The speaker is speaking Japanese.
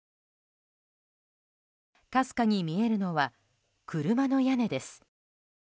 かすかに見えるのは車の屋根です。